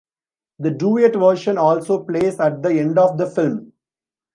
The duet version also plays at the end of the film.